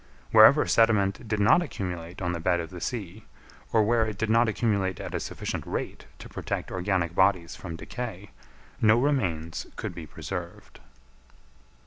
Wherever sediment did not accumulate on the bed of the sea, or where it did not accumulate at a sufficient rate to protect organic bodies from decay, no remains could be preserved.